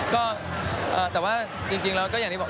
ก็แต่ว่าจริงแล้วก็อย่างที่บอก